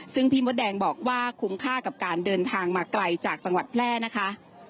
ซึ่งพี่มดแดงบอกว่าคุ้มค่ากับการเดินทางมาไกลจากจังหวัดแพร่นะคะ